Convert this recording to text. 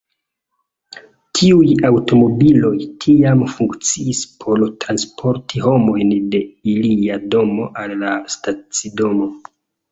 Tiuj aŭtomobiloj tiam funkciis por transporti homojn de ilia domo al la stacidomo.